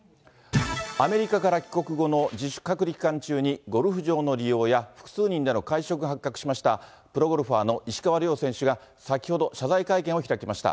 アメリカから帰国後の自主隔離期間中に、ゴルフ場の利用や、複数人での会食が発覚しましたプロゴルファーの石川遼選手が、先ほど謝罪会見を開きました。